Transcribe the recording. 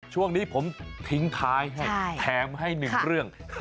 ช่วงนี้ผมทิ้งท้ายให้แถมให้หนึ่งเรื่อง